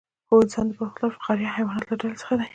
هو انسانان د پرمختللو فقاریه حیواناتو له ډلې څخه دي